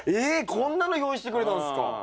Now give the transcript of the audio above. えこんなの用意してくれたんですか。